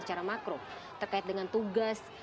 secara makro terkait dengan tugas